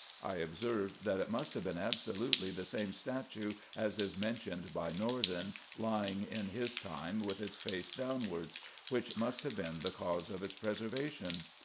I observed, that it must have been absolutely the same statue as is mentioned by Norden, lying in his time with its face downwards, which must have been the cause of its preservation.